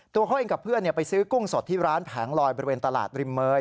ตัวเขาเองกับเพื่อนไปซื้อกุ้งสดที่ร้านแผงลอยบริเวณตลาดริมเมย